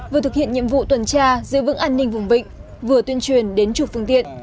vừa thực hiện nhiệm vụ tuần tra giữ vững an ninh vùng vịnh vừa tuyên truyền đến chủ phương tiện